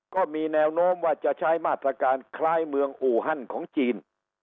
ก็มีแนวโน้มว่าจะใช้มาตรการคล้ายเมืองอูฮันของจีน